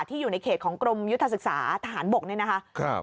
อยู่ในเขตของกรมยุทธศึกษาทหารบกเนี่ยนะคะ